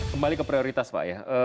kembali ke prioritas pak ya